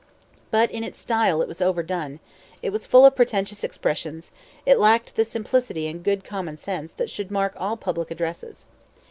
But in its style it was overdone; it was full of pretentious expressions; it lacked the simplicity and good common sense that should mark all public addresses.